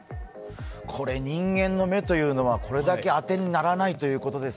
人間の目というのはこれだけ当てにならないということです。